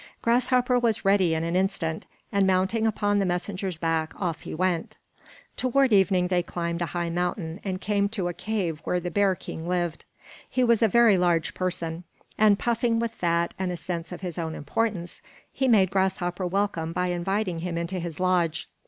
Grasshopper was ready in an instant; and mounting upon the messenger's back, off he went. Toward evening they climbed a high mountain and came to a cave where the bear king lived. He was a very large person; and puffing with fat and a sense of his own importance, he made Grasshopper welcome by inviting him into his lodge.